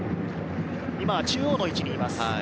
今、中央の位置にいます。